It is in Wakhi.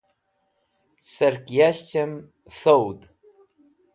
serk yashch'em thowd